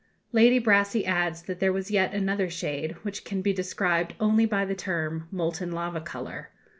Lady Brassey adds that there was yet another shade, which can be described only by the term "molten lava colour."